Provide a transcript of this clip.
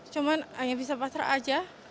cuma hanya bisa pasrah aja